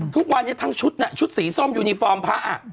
ทุกวันนี้ทั้งชุดน่ะชุดสีส้มยูนิฟอร์มพระ